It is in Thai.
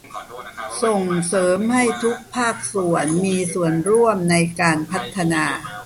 ส่งเสริมให้ทุกภาคส่วนมีส่วนร่วมในการพัฒนา